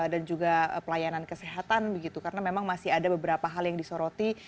dan juga pelayanan kesehatan begitu karena memang masih ada beberapa hal yang disoroti